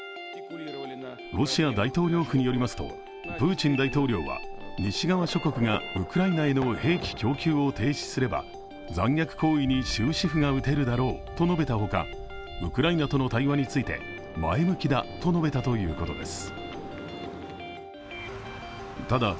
ロシア大統領府によりますと、プーチン大統領は西側諸国がウクライナへの兵器供給を停止すれば残虐行為に終止符が打てるだろうと述べたほかウクライナとの対話について、前向きだと述べたということです。